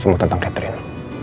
semua tentang catherine